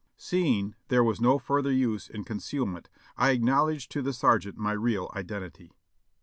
Seeing there was no further use in concealment, I acknowl edged to the sergeant my real identity.